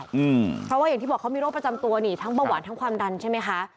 เพราะว่าอย่างที่บอกเขามีโรคประจำตัวนี่ทั้งเบาหวานทั้งความดันใช่ไหมคะ